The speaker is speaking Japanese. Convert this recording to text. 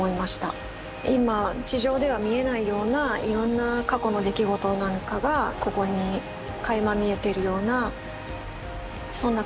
今地上では見えないようないろんな過去の出来事なんかがここにかいま見えてるようなそんな空間を作りたいなと思いました。